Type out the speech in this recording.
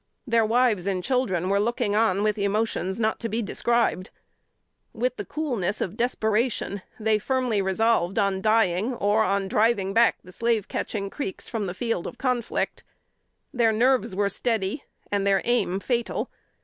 Their wives and children were looking on with emotions not to be described. With the coolness of desperation, they firmly resolved on dying, or on driving back the slave catching Creeks from the field of conflict. Their nerves were steady, and their aim fatal.